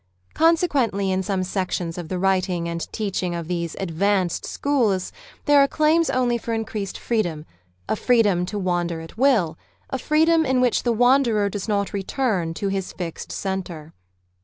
Consequently in some sections of the writing and teaching of the " advanced " schools there are claims only for increased freedom — a freedom to wander at will — a freedom in which the wanderer does not return to his fixed centre.